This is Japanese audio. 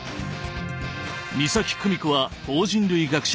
岬久美子は法人類学者